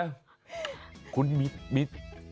เกิดมันเสียหายคุณมีเงินไปจ่ายเขาไหมเนี่ย